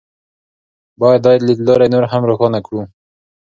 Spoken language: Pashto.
باید دا لیدلوری نور هم روښانه کړو.